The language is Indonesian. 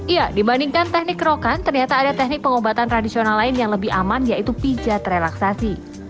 iya dibandingkan teknik rokan ternyata ada teknik pengobatan tradisional lain yang lebih aman yaitu pijat relaksasi